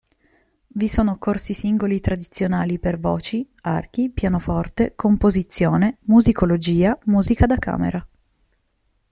Vi sono corsi singoli tradizionali per voci, archi, pianoforte, composizione, musicologia, musica da camera.